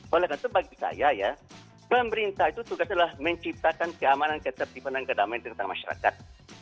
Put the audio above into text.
boleh gantung bagi saya ya pemerintah itu tugasnya adalah menciptakan keamanan ketertiban dan kedamaian tentang masyarakat